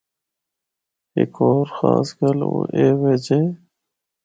ہک ہور خاص گل او ایہہ وے جے۔